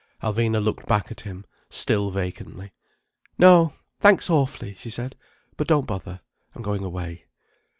Alvina looked back at him, still vacantly. "No—thanks awfully!" she said. "But don't bother. I'm going away."